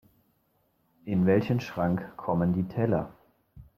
In welchen Schrank kommen die Teller?